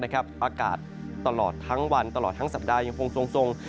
อากาศตลอดทั้งวันตลอดทั้งสัปดาห์ยังคงทรง